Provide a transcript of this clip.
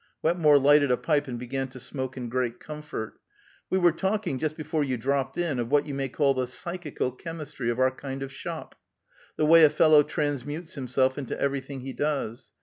'" Wetmore lighted a pipe, and began to smoke in great comfort. "We were talking, just before you dropped in, of what you may call the psychical chemistry of our kind of shop: the way a fellow transmutes himself into everything he does.